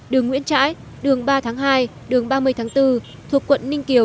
đường nguyễn trãi đường ba tháng hai đường ba mươi tháng bốn thuộc quận ninh kiều